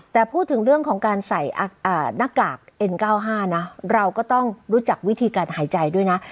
แต่พูดถึงเรื่องของการใส่หน้ากากเอ็น๙๕นะเราก็ต้องรู้จักวิธีการหายใจด้วยนะ